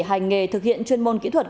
hành nghề thực hiện chuyên môn kỹ thuật